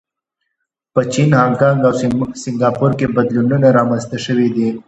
په چین، هانکانګ او سنګاپور کې بدلونونه رامنځته شوي دي.